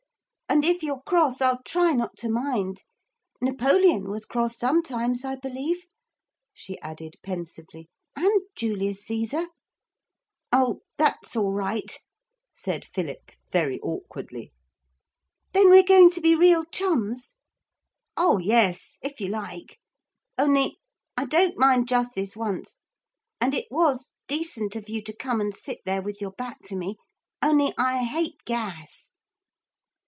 And if you're cross, I'll try not to mind. Napoleon was cross sometimes, I believe,' she added pensively, 'and Julius Caesar.' 'Oh, that's all right,' said Philip very awkwardly. 'Then we're going to be real chums?' 'Oh yes, if you like. Only I don't mind just this once; and it was decent of you to come and sit there with your back to me only I hate gas.'